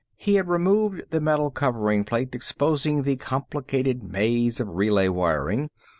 He had removed the metal covering plate, exposing the complicated maze of relay wiring.